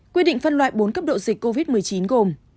quy định phân loại bốn cấp độ dịch covid một mươi chín gồm